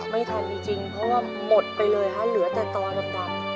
ไม่ทันจริงเพราะว่าหมดไปเลยฮะเหลือแต่ต่อลำ